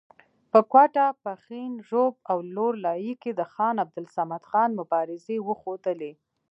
په کوټه، پښین، ژوب او لور لایي کې د خان عبدالصمد خان مبارزې وښودلې.